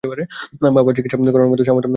বাবার চিকিৎসা করানোর মতো সামর্থ্য নেই শহীদের।